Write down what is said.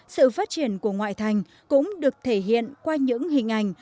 sự phát triển của ngoại thành cũng được thể hiện qua những hình ảnh